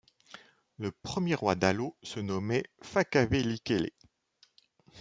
Le premier Roi d'Alo se nommait Fakavelikele.